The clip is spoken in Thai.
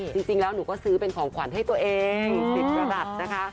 จริงแล้วหนูก็ซื้อเป็นของขวัญให้ตัวเอง๑๐ประหลัดนะคะ